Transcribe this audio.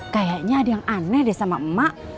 kayaknya ada yang aneh deh sama emak